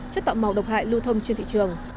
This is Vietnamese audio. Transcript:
chất tạo màu độc hại lưu thông trên thị trường